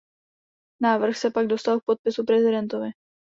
Návrh se pak dostal k podpisu prezidentovi.